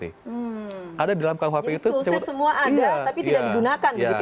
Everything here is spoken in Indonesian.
jadi tulisnya semua ada tapi tidak digunakan begitu ya